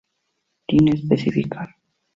Sin especificar.